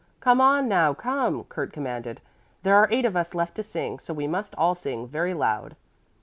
"Come on now, come!" Kurt commanded. "There are eight of us left to sing, so we must all sing very loud."